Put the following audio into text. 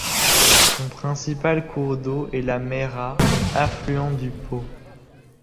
Son principal cours d'eau est la Maira, affluent du Pô.